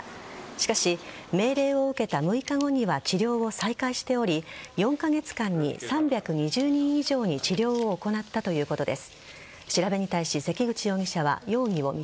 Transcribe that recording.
しかし、命令を受けた６日後には治療を再開しており４カ月間に３２０人以上に治療を行ったということです。